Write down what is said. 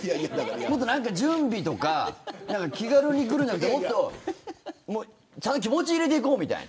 もっと準備とか気軽に来るんじゃなくてちゃんと気持ち入れていこうみたいな。